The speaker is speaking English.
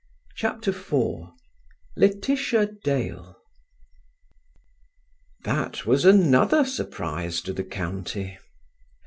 CHAPTER IV LAETITIA DALE That was another surprise to the county.